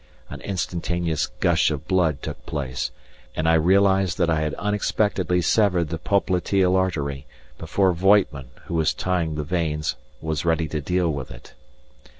An instantaneous gush of blood took place, and I realized that I had unexpectedly severed the popliteal artery, before Voigtman, who was tying the veins, was ready to deal with it.